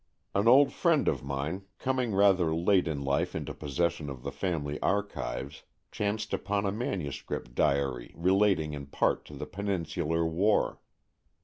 An old friend of mine, coming rather late in life into possession of the family archives, chanced upon a manuscript diary relating in part to the Peninsular War.